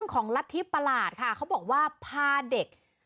ของรัฐธิประหลาดค่ะเขาบอกว่าพาเด็ก